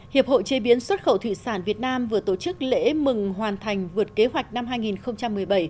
hiệp hội chế biến xuất khẩu thủy sản việt nam vừa tổ chức lễ mừng hoàn thành vượt kế hoạch năm hai nghìn một mươi bảy